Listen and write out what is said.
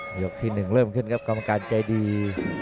ยกที่๑เริ่มขึ้นครับกรรมการใจดี